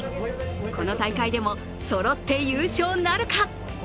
この大会でもそろって優勝なるか。